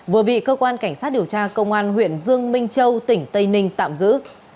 vừa bị cơ quan cảnh sát điều tra công an huyện dương minh châu tỉnh tây ninh tạm giữ